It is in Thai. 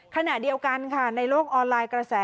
ขณะเดียวกันค่ะในโลกออนไลน์กระแส